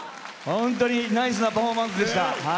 本当にナイスなパフォーマンスでした。